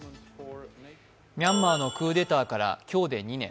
ミャンマーのクーデターから今日で２年。